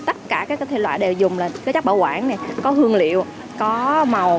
tất cả các loại đều dùng là chất bảo quản có hương liệu có màu